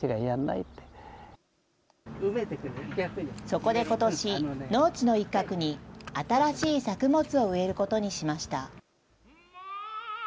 そこでことし、農地の一角に、新しい作物を植えることにしました。